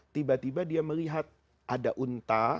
tiba tiba dia melihat ada unta